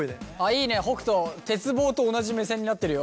いいね北斗鉄棒と同じ目線になってるよ。